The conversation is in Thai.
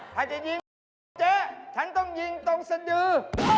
ถ้าจะยิงฉันต้องยิงตรงสะยือ